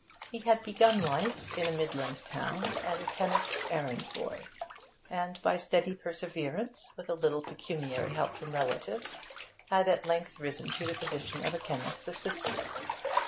He had begun life, in a midland town, as a chemist's errand boy, and by steady perseverance, with a little pecuniary help from relatives, had at length risen to the position of chemist's assistant.